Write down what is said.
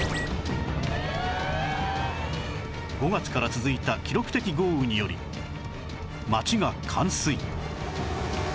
５月から続いた記録的豪雨により街が冠水